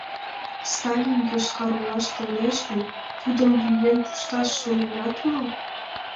Сталин Йошкар-Олаш толеш гын, тудым лӱен пушташ шоненат мо?..